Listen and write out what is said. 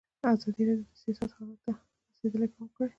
ازادي راډیو د سیاست حالت ته رسېدلي پام کړی.